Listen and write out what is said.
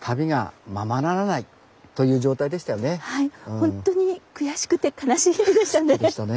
ほんとに悔しくて悲しい日々でしたね。